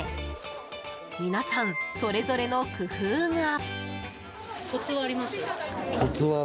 皆さんそれぞれの工夫が。